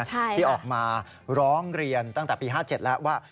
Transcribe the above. ที่ออกมาร้องเรียนตั้งแต่ปี๕๗แล้วว่า